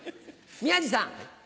宮治さん。